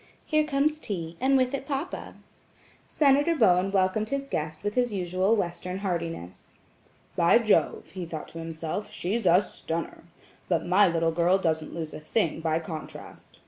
"Here comes tea, and with it papa." Senator Bowen welcomed his guest with his usual Western heartiness. "By Jove," he thought to himself, "she's a stunner! But my little girl doesn't lose a thing by contrast.